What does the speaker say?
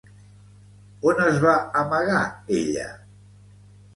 On es va amagar ella?